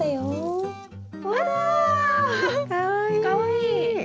かわいい。